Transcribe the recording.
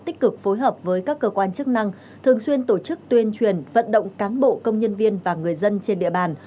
tích cực phối hợp với các cơ quan chức năng thường xuyên tổ chức tuyên truyền vận động cán bộ công nhân viên và người dân trên địa bàn